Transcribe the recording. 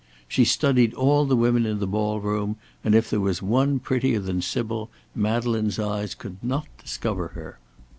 She studied all the women in the ball room, and if there was one prettier than Sybil, Madeleine's eyes could not discover her.